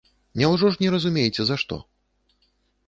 Няўжо ж не разумееце за што?